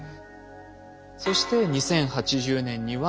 そして２０８０年にはｐＨ７．８。